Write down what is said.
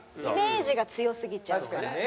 イメージが強すぎちゃうから。